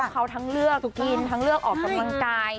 เขาทั้งเลือกทุกกินออกกำลังกาย